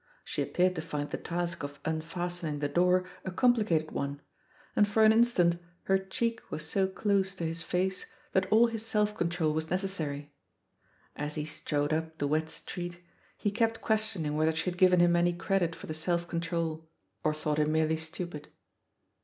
She appeared to find the task of unfastening the door a compli cated one, and for an instant her cheek was so close to his face that all his self control was nec essary. As he strode up the wet street, he kept questioning whether she had given him any credit THE POSITION OP PEGGY HARPER 79 for the self control, or thought him merely stupid.